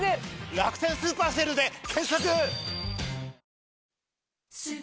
「楽天スーパーＳＡＬＥ」で検索！